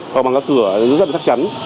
hoặc bằng các cửa rất là chắc chắn